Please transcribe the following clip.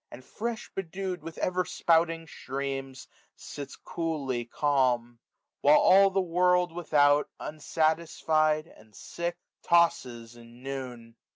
And fresh bedew'd with eyer spouting streams^ Sitsxoolly calm } while all the world without. Unsatisfied, and sick, tosses in noon.